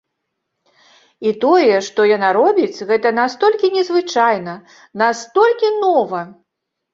І тое, што яна робіць, гэта настолькі незвычайна, настолькі нова!